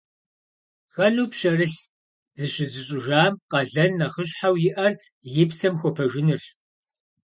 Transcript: Тхэну пщэрылъ зыщызыщӀыжам къалэн нэхъыщхьэу иӀэр и псэм хуэпэжынырщ.